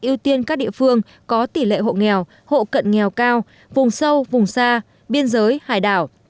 ưu tiên các địa phương có tỷ lệ hộ nghèo hộ cận nghèo cao vùng sâu vùng xa biên giới hải đảo